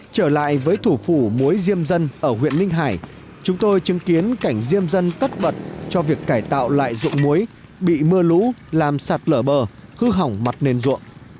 trở lại với thủ phủ muối diêm dân ở huyện ninh hải chúng tôi chứng kiến cảnh diêm dân tất bật cho việc cải tạo lại dụng muối bị mưa lũ làm sạt lở bờ hư hỏng mặt nền ruộng